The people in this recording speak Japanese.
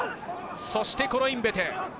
そしてコロインベテ。